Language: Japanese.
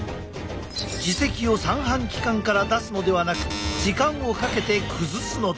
耳石を三半規管から出すのではなく時間をかけて崩すのだ。